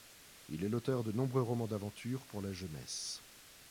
Il est l'auteur de nombreux romans d'aventures pour la jeunesse.